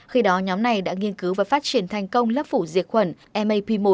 khi đó nhóm này đã nghiên cứu và phát triển thành công lớp phủ diệt khuẩn amap một